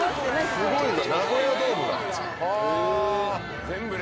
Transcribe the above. すごいな。